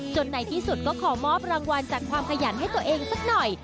ในที่สุดก็ขอมอบรางวัลจากความขยันให้ตัวเองสักหน่อย